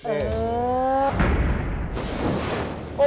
เออ